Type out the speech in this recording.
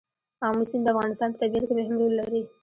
آمو سیند د افغانستان په طبیعت کې مهم رول لري.